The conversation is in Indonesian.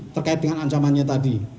terkait dengan ancamannya tadi